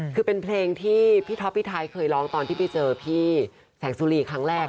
คือเป็นเพลงที่พี่ท็อปพี่ไทยเคยร้องตอนที่ไปเจอพี่แสงสุรีครั้งแรก